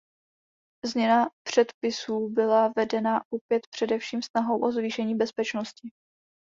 Změna předpisů byla vedená opět především snahou o zvýšení bezpečnosti.